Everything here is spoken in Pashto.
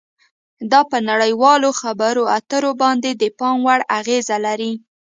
دا په نړیوالو خبرو اترو باندې د پام وړ اغیزه لري